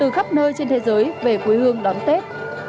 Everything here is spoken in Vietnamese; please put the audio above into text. từ khắp nơi trên thế giới về quê hương đón tết